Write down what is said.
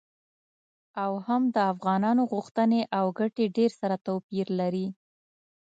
او هم د افغانانو غوښتنې او ګټې ډیر سره توپیر لري.